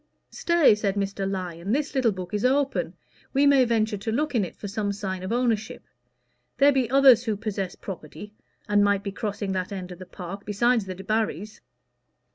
"Stay," said Mr. Lyon, "this little book is open; we may venture to look in it for some sign of ownership. There be others who possess property, and might be crossing that end of the park, besides the Debarrys."